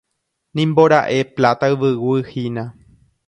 Nimbora'e Pláta Yvyguy hína.